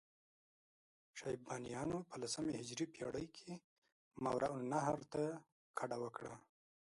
شیبانیانو په لسمې هجري پېړۍ کې ماورالنهر ته کډه وکړه.